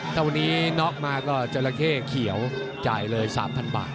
ถ้าวันนี้น็อกมาก็จราเข้เขียวจ่ายเลย๓๐๐บาท